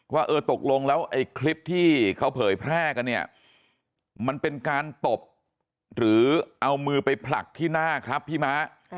ว่าเออตกลงแล้วไอ้คลิปที่เขาเผยแพร่กันเนี่ยมันเป็นการตบหรือเอามือไปผลักที่หน้าครับพี่ม้า